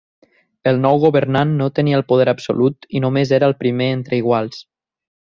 El nou governant no tenia el poder absolut i només era el primer entre iguals.